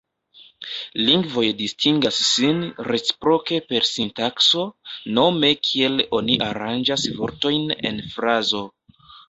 Lingvoj distingas sin reciproke per sintakso, nome kiel oni aranĝas vortojn en frazo.